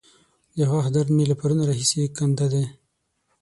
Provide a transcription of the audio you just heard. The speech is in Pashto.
د غاښ درد مې له پرونه راهسې کنده دی.